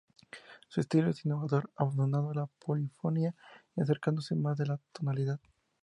Su estilo es innovador, abandonando la polifonía y acercándose más a la tonalidad.